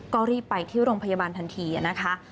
ก็รีบไปที่โรงพยาบาลทันทีนะคะ